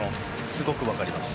すごくわかります。